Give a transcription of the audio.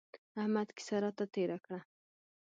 احمد کيسه راته تېره کړه.